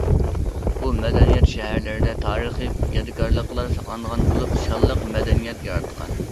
بۇ مەدەنىيەت شەھەرلىرىدە تارىخىي يادىكارلىقلار ساقلانغان بولۇپ، شانلىق مەدەنىيەت ياراتقان.